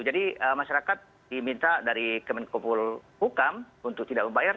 jadi masyarakat diminta dari kementerian kepuluh hukam untuk tidak membayar